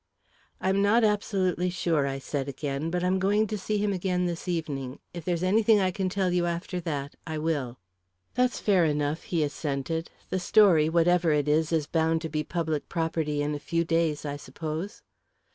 "I'm not absolutely sure," I said, again. "But I'm going to see him again this evening. If there's anything I can tell you after that, I will." "That's fair enough," he assented. "The story, whatever it is, is bound to be public property in a few days, I suppose?"